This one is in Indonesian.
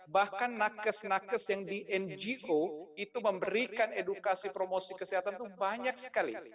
bahkan nakes nakes yang di ngo itu memberikan edukasi promosi kesehatan itu banyak sekali